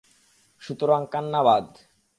সুতারং কান্না বাদ।